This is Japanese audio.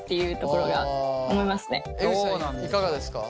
いかがですか？